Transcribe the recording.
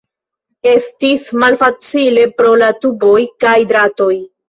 Estis malfacile pro la tuboj kaj dratoj.